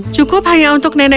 cukup hanya untuk nenekku saja